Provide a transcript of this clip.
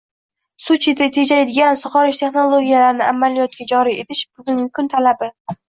Suv tejaydigan sug‘orish texnologiyalarini amaliyotga joriy etish bugungi kun talabi